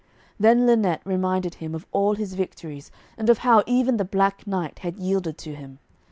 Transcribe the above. Then Lynette reminded him of all his victories, and of how even the Black Knight had yielded to him.